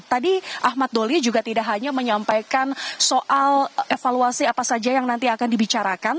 tadi ahmad doli juga tidak hanya menyampaikan soal evaluasi apa saja yang nanti akan dibicarakan